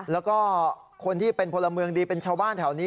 แล้วก็คนที่เป็นพลเมืองดีเป็นชาวบ้านแถวนี้